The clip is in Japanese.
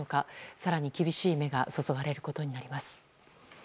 更に、厳しい目が注がれることになります。